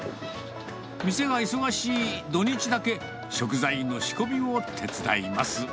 店が忙しい土日だけ、食材の仕込みを手伝います。